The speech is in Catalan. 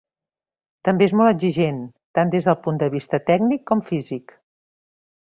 També és molt exigent, tant des del punt de vista tècnic com físic.